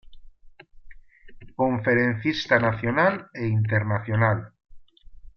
Conferencista Nacional e internacional.